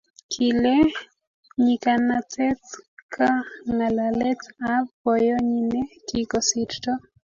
kile nyikanatet ka ngalalet ab boyonyi ne kikosirto